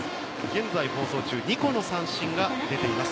現在放送の中で２つの三振が出ています。